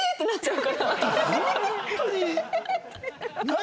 何？